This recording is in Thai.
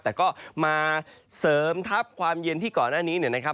แต่ก็มาเสริมทัพความเย็นที่ก่อนหน้านี้เนี่ยนะครับ